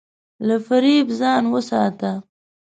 له فریب ځان وساته.